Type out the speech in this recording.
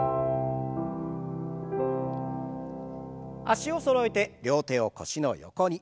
脚をそろえて両手を腰の横に。